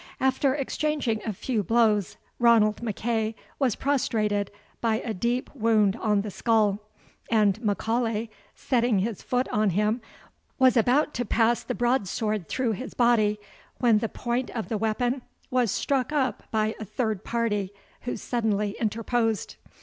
After exchanging a few blows, Ranald MacEagh was prostrated by a deep wound on the skull; and M'Aulay, setting his foot on him, was about to pass the broadsword through his body, when the point of the weapon was struck up by a third party, who suddenly interposed.